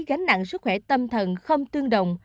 gánh nặng sức khỏe tâm thần không tương đồng